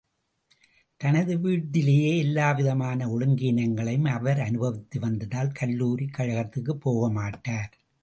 தனது வீட்டிலேயே எல்லாவிதமான ஒழுங்கீனங்களையும் அவர் அனுபவித்து வந்ததால், கல்லூரிக் கழகத்துக்குப் போக மாட்டார்.